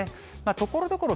ところどころ